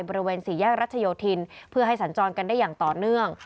บริเวณสี่แยกรัชโยธินเพื่อให้สัญจรกันได้อย่างต่อเนื่อง